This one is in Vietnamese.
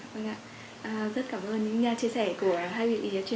rất cảm ơn những chia sẻ của hai vị